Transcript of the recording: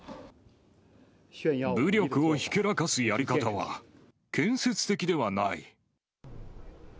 武力をひけらかすやり方は建設的ではない。